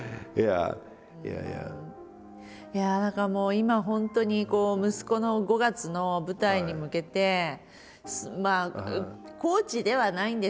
今本当にこう息子の５月の舞台に向けてまあコーチではないんですけど